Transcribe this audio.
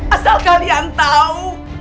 asal kalian tau